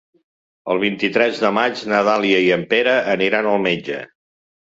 El vint-i-tres de maig na Dàlia i en Pere aniran al metge.